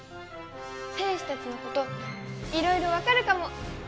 戦士たちのこといろいろわかるかも！